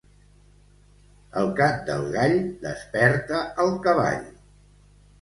El cant del gall desperta al cavall.